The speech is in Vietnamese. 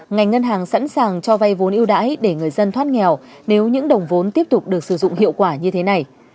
ngành ngân hàng sẵn sàng cho vay vốn yêu đáy để người dân thoát nghèo nếu những đồng vốn tiếp tục được sử dụng hiệu quả như thế này